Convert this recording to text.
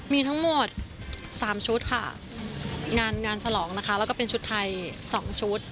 มีทั้งหมด๓ชุดค่ะงานงานฉลองนะคะแล้วก็เป็นชุดไทย๒ชุด